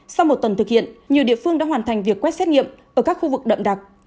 sau một tuần thực hiện nhiều địa phương đã hoàn thành việc quét xét nghiệm ở các khu vực đậm đặc